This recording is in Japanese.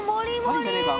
入んじゃねえか？